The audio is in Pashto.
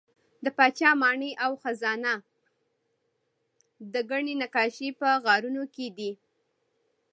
د پاچا ماڼۍ او خزانه او ګڼې نقاشۍ په غارونو کې دي.